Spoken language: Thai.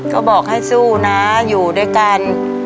ก็บอกให้สู้นะอยู่ด้วยกัน